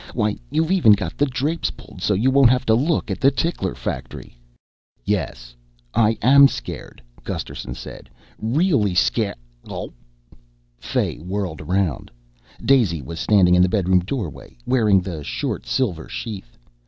Why, you've even got the drapes pulled so you won't have to look at the tickler factory." "Yes, I am scared," Gusterson said. "Really sca ... AWP!" Fay whirled around. Daisy was standing in the bedroom doorway, wearing the short silver sheath.